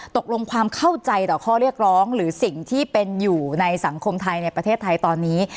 ตกลงความเข้าใจต่อข้อเรียกร้องหรือสิ่งที่เป็นอยู่ในสังคมไทยในประเทศไทยตอนนี้